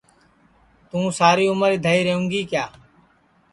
توں ساری عمر اِدھائی رئوں گی کیا